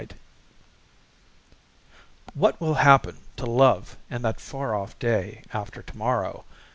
net _What will happen to love in that far off Day after Tomorrow?